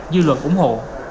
dư luận ủng hộ